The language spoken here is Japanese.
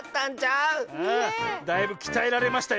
⁉ああだいぶきたえられましたよ。